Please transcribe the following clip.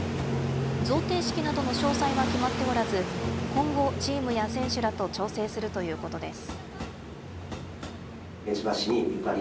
贈呈式などの詳細は決まっておらず、今後、チームや選手らと調整するということです。